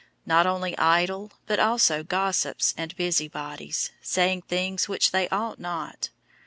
Not only idle, but also gossips and busybodies, saying things which they ought not.